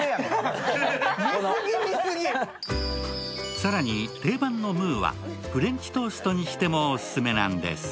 更に定番のムーはフレンチトーストにしてもオススメなんです。